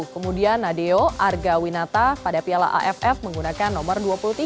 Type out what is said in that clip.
kemudian nadeo argawinata pada piala aff menggunakan nomor dua puluh tiga